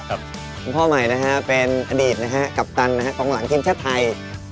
คุณพ่อใหม่นะฮะเป็นอดีตกัปตันตรงหลังทีมชาติไทย